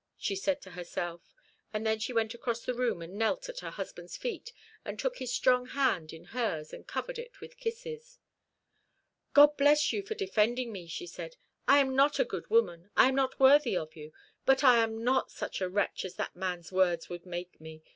she said to herself; and then she went across the room and knelt at her husband's feet, and took his strong hand in hers, and covered it with kisses. "God bless you for defending me," she said. "I am not a good woman, I am not worthy of you, but I am not such a wretch as that man's words would make me.